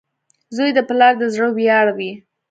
• زوی د پلار د زړۀ ویاړ وي.